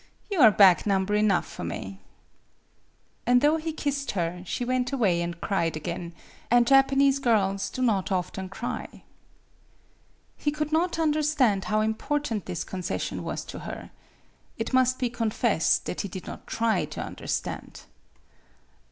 You are back number enough for me." And though he kissed her, she went away and cried again; and Japanese girls do not often cry. He could not understand how important this concession was to her. It must be confessed that he did not try to understand.